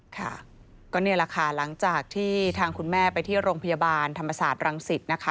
ค่ะก็นี่แหละค่ะหลังจากที่ทางคุณแม่ไปที่โรงพยาบาลธรรมศาสตร์รังสิตนะคะ